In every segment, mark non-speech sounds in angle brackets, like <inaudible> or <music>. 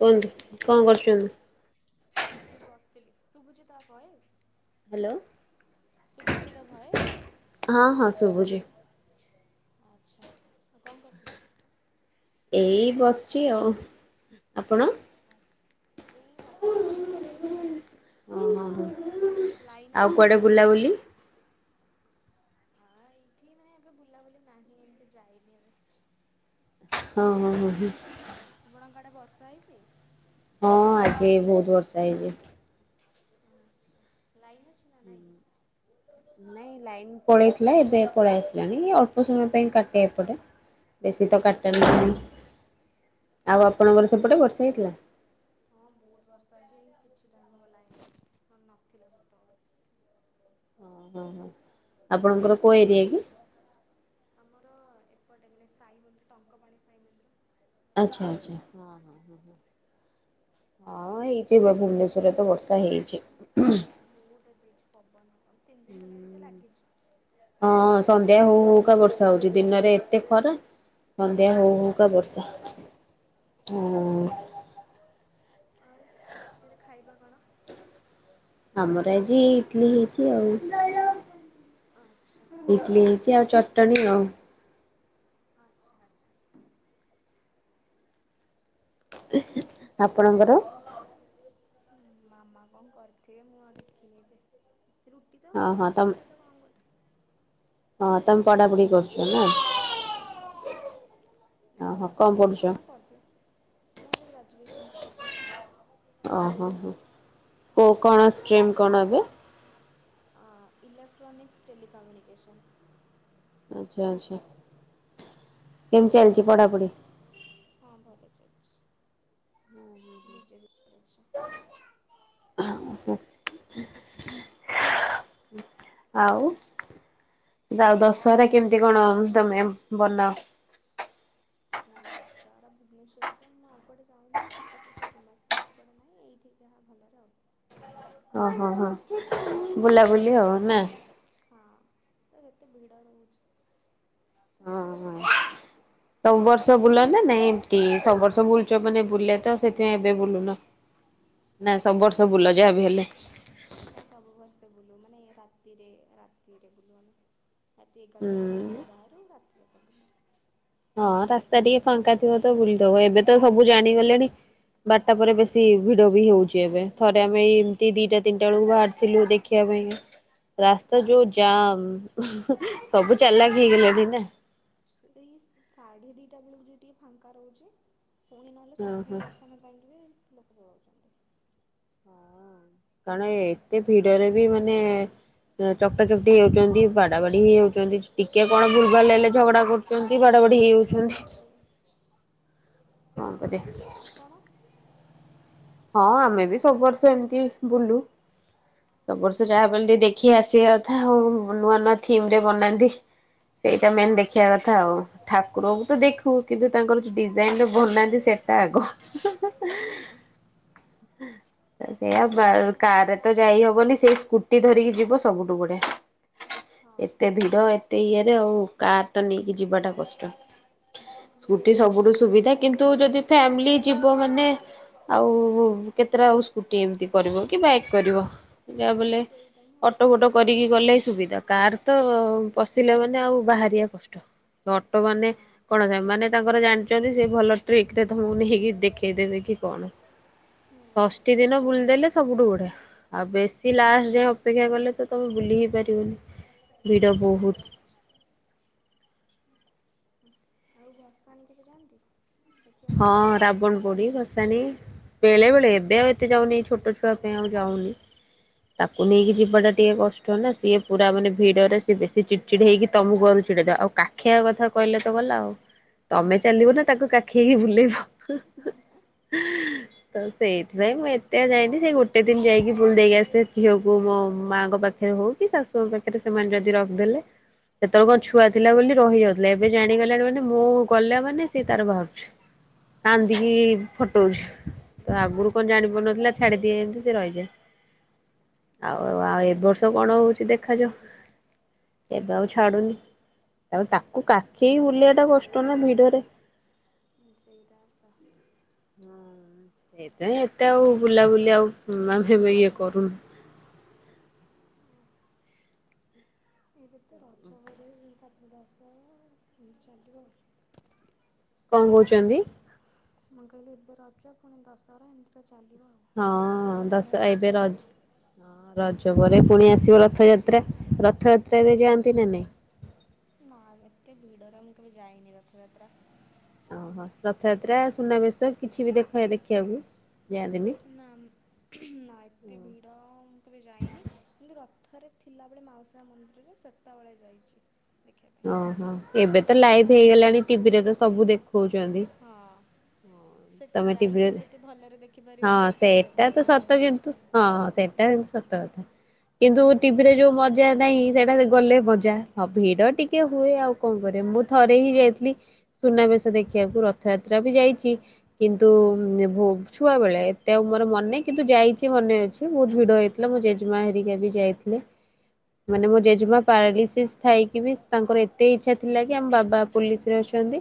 କୁହନ୍ତୁ କଣ କରୁଛନ୍ତି? ଏ ବସିଥିଲି ଶୁଭୁଛି ତା ଭଏସ୍? ଶୁଭୁଛି ତା ଭଏସ୍ ହଁ ହଁ ଶୁଭୁଚି। ଆଚ୍ଛା ଆଉ କଣ କରିଥିଲେ? ଏଇ ବସିଚି ଆଉ ଆପଣ? ଆଚ୍ଛା ଏଇ ଅଁ ବସିଥିଲି ହ ଲାଇନ୍ ଆଉ ଅଛି କୁଆଡେ ବୁଲାବୁଲି ହଁ ଏଇଠି ମାନେ ଏବେ ବୁଲାବୁଲି ନାହିଁ। ଏମତି ଯାଇନି ଏବେ। ହଁ ହଁ ହ ହୁଁ ଆପଣଙ୍କ ଆଡେ ବର୍ଷା ହେଇଛି? ହଁ ଆଜି ବୋହୁତ ବର୍ଷା ହେଇଚି। ଆଚ୍ଛା ଲାଇନ୍ ଅଛି ନା ନାଇଁ? ନାଇଁ ଲାଇନ ପଳେଇଥିଲା ଏବେ ପଳାଇ ଆସିଲାଣି ଅଳ୍ପ ସମୟ ପାଇଁ କାଟେ ଏପଟେ। ବେଶୀ ତ କାଟନ୍ତିନି। ଆଉ ଆପଣଙ୍କର ସେପଟେ ବର୍ଷା ହେଇଥିଲା? ହଁ ବୋହୁତ ବର୍ଷା ହେଇଛି ଏଇ କିଛି ଟାଇମ୍ ହେବ ଲାଇନ ଆସିଲା ନହେଲେ ନଥିଲା ସେତେବେଳୁ। ଓ ହୋ ଆପଣଙ୍କର କୋଉ ଏରିଆ କି? ଆମର ଏପଟେ ମାନେ ସାଇ ମନ୍ଦିର ଟଙ୍କପାଣି ସାଇ ମନ୍ଦିର। ଆଚ୍ଛା ଆଚ୍ଛା ହଁ ହଁ। ଏପଟ ସାଇ ହଁ ଏଇଠି ବ ଭୁବନେଶ୍ବରରେ ତ ବର୍ଷା ହେଇଛି। <unintelligible> ପବନ ତିନି ଦିନ ହେଲାଣି ତ ଲାଗିଛି ହଁ ଡେଲି ସନ୍ଧ୍ୟା ହୋଉ ହୋଉ କା ବର୍ଷା ର୍ଷା ହୋଉଛି। ଦିନରେ ଏତେ ଖରା ସନ୍ଧ୍ୟା ହୋଉ ଚାରିଟା ହୋଉକା ହଉ ହଉ ବର୍ଷା। ହୁଁ ଆଉ ରାତିରେ ଖାଇବା କଣ? ଆମର ଆଜି ଇଟଲି ହେଇଛି ଆଉ ଆଚ୍ଛା ଇଟଲି ହେଇଚ ଚି ଆଉ ଚଟଣି ଆଉ। ଆଚ୍ଛା ଆଚ୍ଛା ଆପଣଙ୍କର? ମାମା କଣ କରିଥିବେ ମୁଁ ଆଉ ଦେଖିନିବି ରୁଟି ତ ହବ ଓହୋ ତମ ରୁଟି ସହିତ ତ କଣ ଗୋଟେ ହଁ ତମେ ପଢାପଢି କରୁଛ ନା? ହଁ ନାଇଁ ଓହୋ କଣ ପଢ଼ାପଢ଼ି କରେ ପଢୁଛ ମାମା କରିଦିଅନ୍ତି। ମୁଁ ଏବେ ଗ୍ରାଜୁଏସନ୍ କରୁଛି। ଓ ହୋ ହୋ କୋ କଣ ସ୍କିମ୍ କଣ ଏବେ? ଅ ଇଲେକ୍ଟ୍ରାନିକ୍ସ୍ ଟେଲିିକମ୍ୟୁନିକସନ୍। ଆଛା ଆଚ୍ଛା କେମିତି ଚାଲିଛି ପଢାପଢି? ହଁ ଭଲ ଚାଲିଛି। ନିଜେ <unintelligible> <inaudible> ଆଉ ଦାଉ ଦଶହରା କେମିତି କଣ ତମେ ବନାଅ? ଦଶହରା ଭୁବନେଶ୍ଵରରେ ତ ମୁଁ ଆଉ କୁଆଡେ ଯାଉନା କଟକ ରେ ତ ଫେମସ୍ ଆଉ କୁଆଡେ ନାହିଁ ଏଇଠି ଯାହା ଭଲରେ ଆଉ। ଓ ହୋ ହୋ ନା ବୁଲାବୁଲି ଆଉ ଭୁବନେଶ୍ୱରରେ ନା ହଁ ତ ଏତେ ଭିଡ଼ ରହୁଛି। ହଁ ହଁ ତ ସବୁ ବର୍ଷ ବୁଲ ନା ନାଇଁ ଏମତି ସବୁ ବର୍ଷ ବୁଲୁଚ ମାନେ ବୁଲେ ତ ସେଥିପାଇଁ ଏବେ ବୁଲୁନ? <inaudible> ନାଁ ସବୁ ବର୍ଷ ନାଇଁ ବୁଲ ସବୁ ଯାହାବ ହେଲେ? ନାଇଁ ସବୁ ବର୍ଷ ବୁଲୁ ମାନେ ରାତିରେ ରାତିରେ ବୁଲୁ ଆମେ। ରାତି ହୁଁ। ଏଗାରଟା ବାରଟା ବେଳୁ ବାହାରୁ ରାତି ଜାକ ବୁଲୁ। ହଁ ରାସ୍ତା ଟିକେ ଫାଙ୍କା ଥିବ ତ ବୁଲିଦବ ଏବେ ତ ସବୁ ଜାଣିଗଲେଣି। ବାରଟା ପରେ ବେଶୀ ଭିଡ ବି ହଉଛି ଏବେ ହଁ ଥରେ ଆମେ ଏଇ ଦିଟା ତିନିଟା ବେଳକୁ ବାହାରିଥିଲୁ ଦେଖିବା ପାଇଁ ରାସ୍ତା ଯୋଉ ଜାମ୍। ନା ସବୁ ଚାଲାକ ହେଇଗଲାଣି ନା। ସେଇ ସାଢ଼େ ଦୁଇଟା ବେଳକୁ ଯଦି ଟିକେ ଫାଙ୍କା ରହୁଛି। ପୁଣି ନହେଲେ ହଁ ସକାଳେ ହଁ ଦର୍ଶନ ପାଇଁକି ବି ଲୋକ ପଳାଉଛନ୍ତି। କାରଣ ଏତେ ଭିଡରେ ବି ମାନେ। ଚକଟା ଚକଟି ହେଉଛନ୍ତି ବାଡା ବାଡି ହେଇ ହଉଛନ୍ତି ଟିକେ କଣ ଭୁଲ ଭାଲେ ହେଲେ ହଁ ଝଗଡା କରୁ। <unintelligible> ସେ। କଣ କରିବା। ଆପଣ। ହଁ ଆମେ ବି ସବୁ ବୁଲା ବର୍ଷ ଏମିତି ବୁଲୁ। ସବୁ ବର୍ଷ ଯାହା ବି ହେଲେ ଟିକେ ଦେଖି ଆସିବା କଥା ଆଉ ନୂଆ ନୂଆ ଥିମ୍ ରେ ଆଚ୍ଛା ବନାନ୍ତି। ସେଇଟା ହଁ ମେନ୍ ଦେଖିବା କଥା ଆଉ। ଠାକୁରଙ୍କୁ ତ ହଁ ଦେଖୁ କିନ୍ତୁ ତାଙ୍କର ଯୋଉ ଡିଜାଇନ୍ ଟା ବନାନ୍ତି ସେଟା ଆଗ। ହଁ ସେଇଆ ଏବେ ତ କାରରେ ଦଶହରା ତ ମାନେ ଯାଇ ହବନି ସେଇଆ ସେଇ ସ୍କୁ ଟି ଧରିକି ଯିବ ସବୁଠୁ ହଁ ବଡ଼ିଆ। ଏତେ ଭିଡ ଏତେ ଇଏରେ ଆଉ କାର୍ ତ ନେଇକି ଯିବା ଟା କଷ୍ଟ। ସେ ଭିଡ଼ ସ୍କୁଟି ଭିତରେ ସବୁଠୁ ଫସିଲେ ସୁବିଧା ବାହାରି କିନ୍ତୁ ହେବନି ଯଦି ଫ୍ୟାମିଲି ଯିବ ମାନେ। ଆଉ କେତେଟା ଆଉ ସ୍କୁଟି ଏମିତି କରିବ କି ବାଇକ୍ କରିବ। ଯାହା ବି ହେଲେ ସେଇଟା ହିଁ ଅଟୋ ଅସୁବିଧା ଫଟୋ କରି। କରିକି ଗଲେ ସୁବିଧା କାର୍ ତ ପଶିଲେ ମାନେ ଆଉ ବାହାରିବା କଷ୍ଟ। ଅଟୋ ମାନେ। ହଁ କଣ ମାନେ ତାଙ୍କର ଜାଣିଛନ୍ତି ସେ ଭଲ ଟ୍ରିକ୍ ରେ ତମକୁ ନେଇକି ଦେଖେଇ ଦେବେ କି କଣ। ଷଷ୍ଠୀ ଦିନ ବୁଲିଦେଲେ ସବୁଠୁ ବଢ଼ିଆ। ଆଉ ବେଶୀ ଲାଷ୍ଟ ଯାଏଁ ଅପେକ୍ଷା କଲେ ତ ତମେ ବୁଲି ହିଁ ପାରିବନି ଭିଡ ବହୁତ୍। ସେଇଆ ଆଉ ଭସାଣି କେବେ ଯାଆନ୍ତି। ଦେଖିବା ହଁ ରାବଣ ପୋଡି ଭସାଣି ବେଳେ ବେଳେ ଏବେ ଆଉ ଏତେ ଯାଉନି ଏ ଛୋଟ ଛୁଆ ପାଇଁ ଆଉ ଯାଉନି। ତାକୁ ପାଇଁ ନେଇକି ଯିବାଟା ଟିକେ କଷ୍ଟ ନା ସିଏ ପୁରା ମାନେ ଭିଡରେ ସିଏ ବେଶୀ ଚିଡ୍ ଚିଡି ଚିଡି ହେଇକି ତମକୁ ଆହୁରି ଚିଡେଇଦବ ଆଉ କାଖେଇବା କଥା କହିଲେ ତ ଗଲା ଆଉ ତମେ ଚାଲିବ ନା ତାକୁ କାଖେ କାଖେଇକି ବୁଲେଇବ। <inaudible> ତ ସେଇଥିପାଇଁ ମୁଁ ଏତେ ଯାଇନି ସେ ଗୋଟେ ଦିନ ଯାଇକି ବୁଲି ଦେଇକି ଆସେ ଝିଅକୁ ମୋ ମାଆଙ୍କ ପାଖରେ ହଉ। କି ଶାଶୁଙ୍କ ପାଖରେ ସେମାନେ ଯଦି ରଖିଦେଲେ। ସେତେବେଳେ କଣ ଛୁଆ ଥିଲା ବୋଲି ରହିଯାଉଥିଲା ଏବେ ଜାଣିଗଲାଣି ମାନେ ମୁଁ ଗଲାମାନେ ସେ ତାର ବାହାରୁଚି। <inaudible> କାନ୍ଦିକି ଫଟୋଉଛି। ତ ଆଗରୁ କଣ ଜାଣି ପାରୁନଥିଲା ଛାଡିଦିଏ ଏମିତି ସେ ରହିଯାଏ। <inaudible> ଆଉ ଆଉ ଏ ବର୍ଷ କଣ ହଉଛି ଦେଖାଯାଉ। ଏବେ ଆଉ ଛାଡୁନି ଆଉ ତାକୁ କାଖେଇକି ବୁଲେଇବା ଟା କଷ୍ଟ ନା ଭିଡରେ। ସେଇଟା ତ। <inaudible> ସେଇଥିପାଇଁ ଏତେ ଆଉ ବୁଲାବୁଲି ଆଉ <unintelligible> ଇଏ କରୁନୁ। ଏବେ ତ ରଜ ପରେ ତାପରେ ଦଶ <unintelligible> ଏମିତି ଚାଲିବ ଆଉ। କଁ କହୁଛନ୍ତି? ମୁଁ କହିଲି ଏବେ ରଜ ପୁଣି ଦଶହରା ଏମିତି ତ ଚାଲିବ ଆଉ। ହଁ ଗଣେଶ ଦଶ ଏବେ ପୂଜା ରଜ୍ ରଜ ପରେ ପୁଣି ଆସିବ ରଥଯାତ୍ରା ରଥଯାତ୍ରାରେ ଯାଆନ୍ତି ନା ନାଇଁ? ନା <unintelligible> ଏତେ ଭିଡରେ ମୁଁ କେବେ ଯାଇନି ରଥଯାତ୍ରା। ଓହୋ ରଥଯାତ୍ରା ସୁନାବେଶ କିଛି ବି ଦେଖା ଦେଖିଆକୁ ଯାଆନ୍ତିନି? ନା ଉମ୍ ନା ଏତେ ଭିଡ଼ ମୁଁ କେବେ ଯାଇନି। କିନ୍ତୁ ରଥରେ ଥିଲା ବେଳେ ମାଉସୀ ମା ମନ୍ଦିରରେ ସେତେବେଳେ ଯାଇଚି ଦେଖି <unintelligible> ଅହଁ ଏବେ ତ ଲାଇଭ୍ ହେଇଗଲାଣି ଟିଭିରେ ତ ସବୁ ଦେଖଉଛନ୍ତି। ହଁ ସେଠି ତମେ ଟିଭିରେ ଯାଇକି ବି ଯେତେ ଭଲରେ ହଁ ଦେଖିପାରିବନି ଟିଭିରେ ସେଇଟା ତ ଭଲରେ ସତ ଦେଖିବ। କିନ୍ତୁ ହଁ ସେଟା ସତ କଥା କିନ୍ତୁ ଟିଭିରେ ଯୋଉ ମଜା ନାହିଁ ସେଇଟା ସେ ଗଲେ ହଁ। ମଜା ହ ଭିଡ ଟିକେ ହଁ ହୁଏ ଆଉ। କଁ କରିଆ ମୁଁ ଥରେ ହିଁ ଯାଇଥିଲି ସୁନାବେଶ ଦେଖିଆକୁ ରଥଯାତ୍ରା ବି ଯାଇଚି। କିନ୍ତୁ ଉଁ ଭୋ ଛୁଆ ବେଳେ ଏତେ ଆଉ ମୋର <unintelligible> ହୁଁ କିନ୍ତୁ ଯାଇଛି ମନେ ଅଛି। <unintelligible> ବହୁତ୍ ଭିଡ ହେଇଥିଲା ମୋ ଜେଜେମା ହେରିକା ବି ଯାଇଥିଲେ। ମାନେ ମୋ ଜେଜେମା ପାରାଲିସିସ୍ ଥାଇକି ବି ତାଙ୍କର ଏତେ ଇଚ୍ଛା ଥିଲା କି ଆମ ବାବା ପୋଲିସ୍ ରେ ଅଛନ୍ତି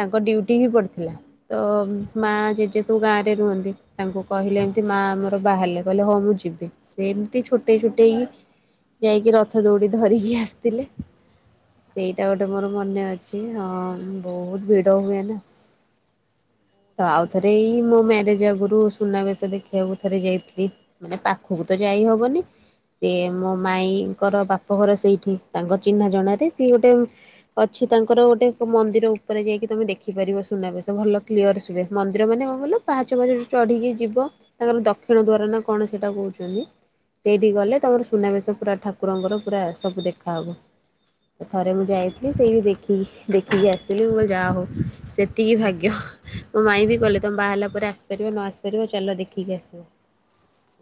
ତାଙ୍କ ଡ୍ୟୁଟି ହିଁ ଆଚ୍ଛା ପଡ଼ିଥିଲା ତ ଉଁ ଓହୋ। ମାଆ ଜେଜେ <unintelligible> ଗାଁରେ ରୁହନ୍ତି ତାଙ୍କୁ କହିଲେ ଏମ୍ତି ମାଆ ଆମର ବାହାରିଲେ କହିଲେ ହଉ ମୁଁ ଯିବି। ସେମ୍ତି ଛୋଟେଇ ଛୋଟେଇ ଯାଇକି ରଥ ଦୌଡି ଧରିକି ଆସ୍ ଥିଲେ। ଏଇଟା ଗୋଟେ ଆଚ୍ଛା। ମୋର ମନେ ଅଛି ହଁ ବହୁତ୍ ଭିଡ ହୁଏ ନା। <unintelligible> ତ ଆଉ ଥରେ ମୁଁ ଏଇ ମୋ ସେଥିପାଇଁ କେବେ ମ୍ୟାରେଜ୍ ଯାଇନି। ଆଗରୁସ୍ ସୁନାବେଶ ଦେଖିଆକୁ ଥରେ ଯାଇଥିଲି ମାନେ ପାଖକୁ ତ ଯାଇ ହବନି ସେ ନା। ମୋ ମାଇଁଙ୍କର ବାପଘର ସେଇଠି ତାଙ୍କ ଚିହ୍ନା ଜଣାରେ ସିଏ ଗୋଟେ ଉଁ ଅଛି ତାଙ୍କର ଗୋଟେ <unintelligible> ମନ୍ଦିର ଉପରେ ଯାଇକି ତମେ ଦେଖିାପାରିବ ସୁନାବେଶ ଭଲ କ୍ଲିୟର୍ ସ୍ ଯେ ମନ୍ଦିର ମାନେ କଁ କହିଲ ପାହାଚ <unintelligible> ଯୋଉ ଚଢିକି ଯିବ। ତାଙ୍କର ଦକ୍ଷିଣ ହୁଁ ଦ୍ଵାର ନା କଣ ସେଇଟା କହୁଛନ୍ତି ସେଇଠି ହଁ ଗଲେ ତାଙ୍କର ସୁନାବେଶ ପୁରା ଠାକୁରଙ୍କର ପୁରା ସବୁ ଦେଖାହବ। ଥରେ ମୁଁ ଯାଇଥିଲି ଆଚ୍ଛା। ସେଇ ବି ଦେଖିକି ଦେଖିକି ଆସିଥିଲି <unintelligible> ଯା ହଉ। ସେତିକି ଭାଗ୍ୟ। ମୋ ମାଇଁ ବି କଇଲେ ତମେ ବାହା ହେଲା ପରେ ଆସିପାରିବ ନ ଆସିପାରିବ ଚାଲ ଦେଖିକି ଆସିବ।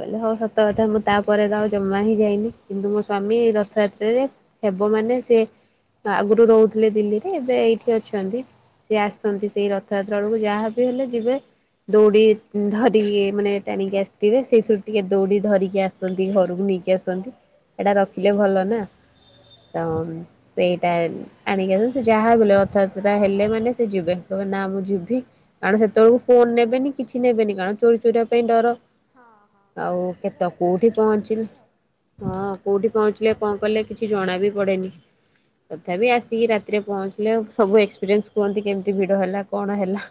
କଇଲେ ଓ ହଉ ସତ କଥା ମୁଁ ତା ପରେ ତା ଜମା ହିଁ ହେଇଯାଇନି କିନ୍ତୁ ମୋ ସ୍ବାମୀ ରଥଯାତ୍ରାରେ ହେବ ମାନେ ସେ ଆ ଆଗରୁୁ ରହୁଥିଲେ ଦିଲ୍ଲୀରେ ଏବେ ଏଇଠି ଅଛନ୍ତି ସେ ଆସନ୍ତି ସେଇ ରଥଯାତ୍ରା ବେଳକୁ ଯାହା ବି ହେଲେ ଯିବେ। ଦୌଡ଼ି ଉଁ ଧରିକି ମାନେ ଟାଣିକି ଆସିଥିବେ ସେଇଥିରୁ ଟିକେ ଦୌଡି ଧରିକି ଆସ୍ <unintelligible> ଘରକୁ ନେଇକି ଆସନ୍ତି ଏଇଟା ରଖିଲେ ଭଲ ନା ତ ହଁ। ଉଁ ସେଇଟା ଆଣିକି <unintelligible> ସେ ଯାହା ବି ହେଲେ <unintelligible> ହେଲେ ମାନେ ସେ ଯିବେ କହିବେ ନା ମୁଁ ଯିବି। କାରଣ ସେତେବେଳକୁ ଫୋନ୍ ନେବେନି କିଛି ନେବେନି କାରଣ ଚୋରି ଚୂରା ପାଇଁ ଡର। ହଁ ହଁ ଆଉ ଏକୁଟିଆ କେତ ଗଲେ ଏକୁଟିଆ କୋଉଠି ଆସିବେ ପହଞ୍ଚିଲ୍ ଦେଖିକି ଆଉ। ହଁ କୋଉଠି ପହଞ୍ଚିଲେ କଁ କଲେ କିଛି ଜଣା ବି ପଡେନି। ତଥାପି ଆସିକି ରାତିରେ ପହଞ୍ଚିଲେ ସବୁ ଏକ୍ସପିରିଏନ୍ସ୍ କୁହନ୍ତି କେମ୍ତି ଭିଡ଼ ହେଲା କଣ ହେଲା।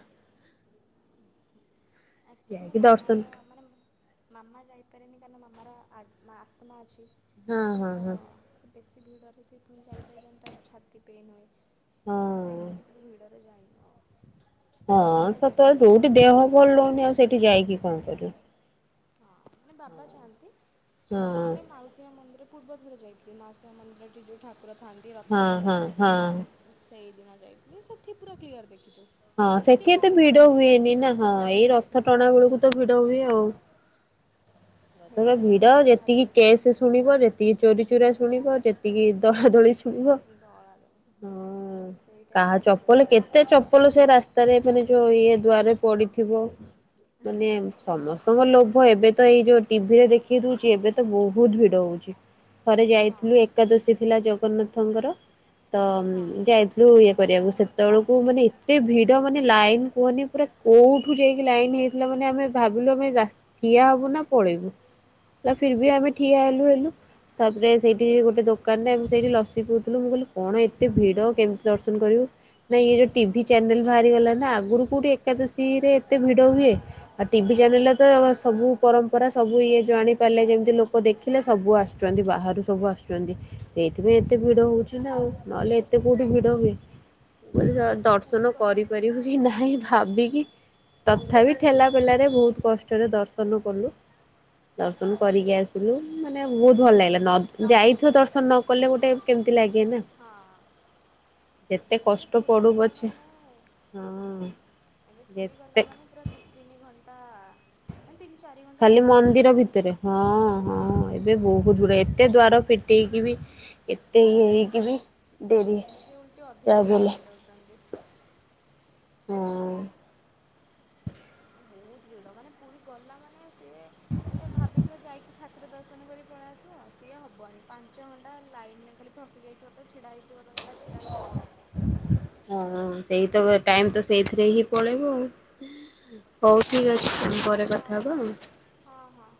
ଆକ୍ଚୁଲି ମୋ ଯାଇକି ଦର୍ଶନ ମାମାର ମାନେ <unintelligible> ମାମା ଯାଇପାରେନି <unintelligible> ମାମାର ଆସ୍ମା ଆସ୍ଥମା ଅଛି ହଁ ତ ହଁ ସେ ବେଶୀ ଭିଡ଼ରେ ସେଇ ଫୁଁ ଯାଇପାରିବନି ତାର ଛାତି ପେନ୍ ହୁଏ। ହଁ ତହେ ତାଇଁଙ୍କା ଆମେ କିନ୍ତୁ ଭିଡ଼ରେ ଯାଇନୁ ଅ। ହଁ ସତଳେ ଦୋଉଠି ଦେହ ଭଲ ହଉନି ଆଉ ସେଇଠି ଯାଇକି କଣ କରିବ। ହଁ ମାନେ ବାବା ଚାଆନ୍ତି ହଁ ନହେଲେ ମାଉସୀଆଁ ମନ୍ଦିର ପୂର୍ବଥରେ ଯାଇଥିଲି ମାଉସୀଆଁ ମନ୍ଦିରଟି ଯୋଉ ଠାକୁର ଥାଆନ୍ତି ହଁ ରଥରେ ହଁ ହଁ ହୁଁ। ସେଇଦିନ ଯାଇଥିଲି ସେଠି ପୁରା କ୍ଲିୟର ଦେଖିଚୂ। ହଁ ସେଖି ଏତେ ଭିଡ଼ ହୁଏନି ନାଁ ହଁ ଏଇ ନା ରଥ ଟଣା ହୁଳୁକୁ ତ ଭିଡ଼ ହୁଏ ଆଉ। ପ୍ରଦଳ ଭିଡ଼ ସେଇଥିପାଇଁ ସେଇଠି ଯାହା ଯେତିକି ଟିକେ କେଶେ ଦେଖି ଶୁଣିବ ଯେତିକି ଚୋରି ଚୋରା ଶୁଣିବ ଯେତିକି ଦଳାଦଳି ଶୁ <unintelligible> <inaudible> ଦଳାଦଳି ହଁ କାହା ଚପଲ ଦଳା କେତେ ଚପଲ ସେ ରାସ୍ତାରେ ମାନେ ଯୋଉ ଇଏ ଦୁଆରେ ପଡିଥିବ ମାନେମ୍ ସମସ୍ତଙ୍କ ଲୋଭ ଏବେ ତ ଏଇ ଯୋଦ୍। ଟିଭିରେ ଦେଖେଇ ଦୋଉଛି ଏବେ ତ ବହୁତ୍ ଭିଡ଼ ଓଉଛି। ଥରେ ହଁ ଯାଇଥିଲୁ ଏକାଦଶୀ ଥିଲା ଜଗନ୍ନାଥଙ୍କର ତ ହଁ ଉଁ ଯାଇଥ୍ ଲୁ ଇଏ କରିୟାକୁ ସେତବେଳକୁ ମାନେ ଏତେ ଭିଡ ମାନେ ଲାଇନ୍ କୁହନି ପୁରା କୋଉଠୁ ଯେଇଁକି ଲାଇନି ହେଇ। ପିଲା ମାନେ ଆମେ ଭାବିଲୁ ଆମେ ଯାସ୍ତ ଠିଆ ଅବୁ ନା ପଳେଇବୁ। ଲା ଫିର୍ବି ଆମେ ଠିଆ ଏଲୁ ଏଲୁ। ତାପରେ ସେଇଟିରି ଗୋଟେ ଦୋକାନ୍ ନେଁ ମୁଁ ସେଇଠି ଲସି ପିଉଥୁଲୁ। ମୁଁ ଗଲୁ କଣ ଏତେ ଭିଡ଼ କେମିତି ଦର୍ଶନ କରିବୁ। ନାଇଁ ଇଏ ଯୋଉ ଟିଭି ଚ୍ୟାନେଲ୍ ଭାହାରିଗଲା ନା ଆଗୁରୁ କୋଉଠି ଏକାଦଶୀରେ ଏତେ ଭିଡ଼ ହୁଏ। ଆ ଟିଭି ନା ଚ୍ୟାନେଲ୍ ଲା ତ ବସ୍ ସବୁ ପରମ୍ ପରା ସବୁ ଇଏ ଜାଣିପାରିଲେ ଯେମିତି ଲୋକ ଦେଖିଲେ ସବୁ ଆସୁଚ୍ୱନ୍ତି ବାହାରୁ ସବୁ ଆସୁଚ୍ୱନ୍ତି। ସେଇଥିପାଇ ଏତେ ଭିଡ଼ ହୋଉଛି ନାଁ ଆଉ ନଏଲେ ଏତେ କୋଉଠି ଭିଡ଼ ହୁଏ <unintelligible> ମୁଁ ଏବେ ତ ପୁରୀ ଦର୍ଶନ ଗଲା ମାନେ କରିପାରିବୁ କି ନାହଁ ଭାବିକି ତଥାବି ଠେଲାପେଲାରେ ଭୋହୁତୁ କଷ୍ଟରେ ଦର୍ଶନ କଲୁ। ଦର୍ଶନ କରିକି ଆସିଲୁ ମାନେ ଭୋହୁତ ଭଲ୍ ଲାଗିଲା ନବ୍ଧ ଯାଇଥିବ ଦର୍ଶନ ନ କଲେ ଗୋଟେ କେମିତି ଲାଗେ ନା। ହଁ ଯେତେ ଏବେ କଷ୍ଟ ପୁରୀ ପଡୁ ଗଲା ପଛେ ମାନେ। ହଁ ଏବେ ପୁରୀ ଯେତେ ଗଲା ମାନେ ପୁରା ଦି ତିନି ଘଣ୍ଟା। କନ୍ ତିନି ଚାରି ଘଣ୍ଟା ଖାଲି ଲାଇନିରେ ମନ୍ଦିର ଛିଡ଼ା ହେଲେ ହଁ। ବୋଧୁରେ ଏତେ ଦ୍ୱାର ଫିଟେଇକି ବି ଏତେ ଇଏ ହେଇକି ବି ଡେରି ଏମିତି ଉଲ୍ଟି ଅଧିକା ଯାହାବି ଲୋକ ହେଲେ ହେଇଯାଉଛନ୍ତି। ହଁ ବହୁତ୍ ଭି ଜଗନ୍ନାଥ ପୁରୀ ଗଲା ମାନେ ସିଏ ଆନ୍ଧେ ଭାବିଥିବ ଯାଇକି ଠାକୁର ଦର୍ଶନ କରି <unintelligible> ପଳେଇଆସିବ ସିଏ ହବନି ପାଞ୍ଚ ଘଣ୍ଟା ଲାଇ <unintelligible> ନରେ ଖାଲି ପସି ଦେଇଥିବ ତ ଛିଡା ହେଇଥିବ। ଗଲା ଛିଡ଼ା ହେଇଥିବ। ହଁ ସେଇ ତ ବଏ ଟାଇମ୍ ତ ସେଇଥିରେ ହିଁ ପଳେଇବ ଆଉ <inaudible> ହଉ ଠିକ୍ ଅଛି। <unintelligible> ହଉ ଆଉ। ହଁ ହଁ।